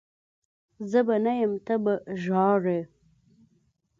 زه به نه یم ته به ژاړي